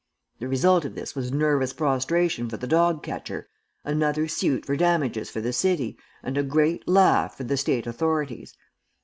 The result of this was nervous prostration for the dog catcher, another suit for damages for the city, and a great laugh for the State authorities.